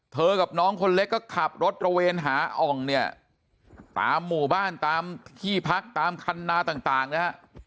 กับน้องคนเล็กก็ขับรถตระเวนหาอ่องเนี่ยตามหมู่บ้านตามที่พักตามคันนาต่างนะฮะ